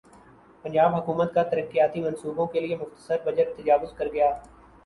پنجاب حکومت کا ترقیاتی منصوبوں کیلئےمختص بجٹ تجاوزکرگیا